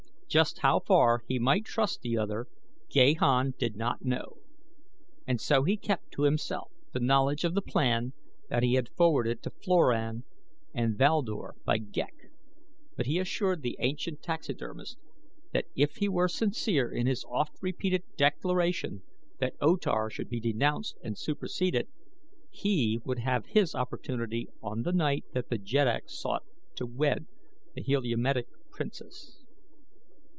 Just how far he might trust the other Gahan did not know, and so he kept to himself the knowledge of the plan that he had forwarded to Floran and Val Dor by Ghek, but he assured the ancient taxidermist that if he were sincere in his oft repeated declaration that O Tar should be denounced and superseded he would have his opportunity on the night that the jeddak sought to wed the Heliumetic princess.